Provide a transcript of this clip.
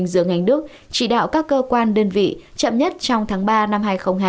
giữa ngành nước chỉ đạo các cơ quan đơn vị chậm nhất trong tháng ba năm hai nghìn hai mươi hai